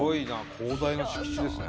広大な敷地ですね。